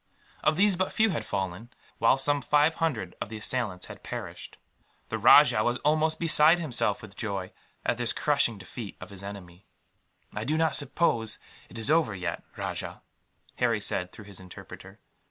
Of these but few had fallen, while some five hundred of the assailants had perished. The rajah was almost beside himself with joy, at this crushing defeat of his enemy. "I do not suppose it is over yet, Rajah," Harry said, through his interpreter.